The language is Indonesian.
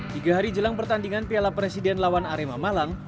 tiga hari jelang pertandingan piala presiden lawan arema malang